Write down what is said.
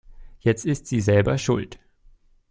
Jetzt ist sie selber schuld.